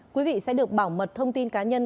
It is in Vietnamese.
quý vị sẽ được bảo mật thông tin cá nhân